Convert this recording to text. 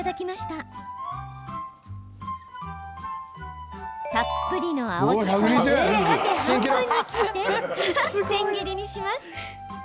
たっぷりの青じそを縦半分に切ってから千切りにします。